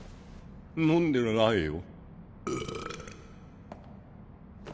飲んでらいよ。